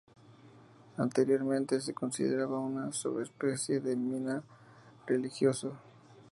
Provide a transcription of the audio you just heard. Anteriormente se consideraba una subespecie del miná religioso.